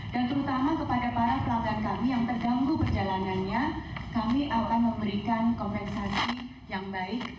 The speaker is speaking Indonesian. dan terutama kepada para pelanggan kami yang terganggu perjalanannya kami akan memberikan kompensasi yang baik